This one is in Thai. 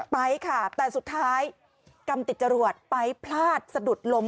ไปค่ะแต่สุดท้ายกรรมติดจรวดไปพลาดสะดุดล้ม